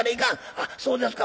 「あっそうですか。